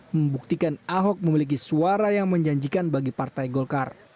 membuktikan ahok memiliki suara yang menjanjikan bagi partai golkar